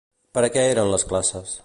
Per a qui eren les classes?